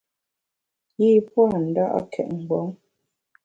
Yi pua’ nda’két mgbom.